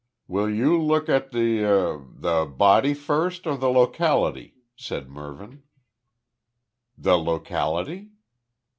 "Will you look at the er the body first, or the locality?" said Mervyn. "The locality?"